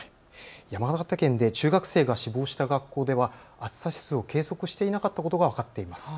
山形県で中学生が死亡した学校では暑さ指数を計測していなかったことが分かっています。